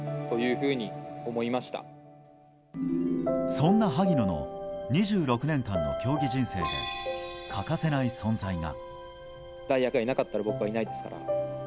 そんな萩野の２６年間の競技人生で欠かせない存在が。